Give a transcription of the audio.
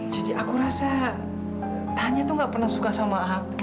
jadi aku rasa tanya tuh gak pernah suka sama aku